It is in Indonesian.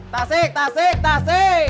tasik tasik tasik